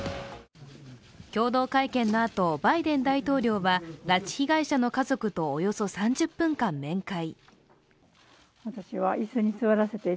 共同会見のあと、バイデン大統領は拉致被害者の家族とおよそ３０分間面会。